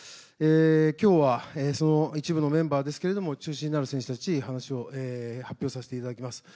今日はその一部のメンバーですが中心になる選手たちを発表させていただきます。